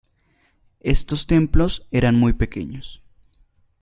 Estos templos eran muy pequeños.